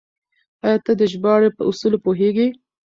آيا ته د ژباړې په اصولو پوهېږې؟